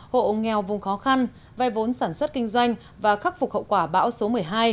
hộ nghèo vùng khó khăn vay vốn sản xuất kinh doanh và khắc phục hậu quả bão số một mươi hai